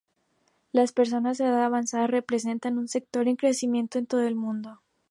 Las personas de edad avanzada representan un sector en crecimiento en todo el mundo.